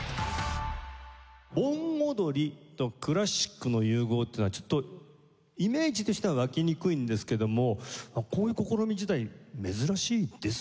盆踊りとクラシックの融合というのはちょっとイメージとしては湧きにくいんですけどもこういう試み自体珍しいですよね。